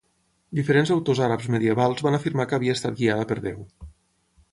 Diferents autors àrabs medievals van afirmar que havia estat guiada per Déu.